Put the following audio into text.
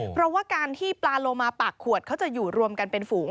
เพราะว่าการที่ปลาโลมาปากขวดเขาจะอยู่รวมกันเป็นฝูง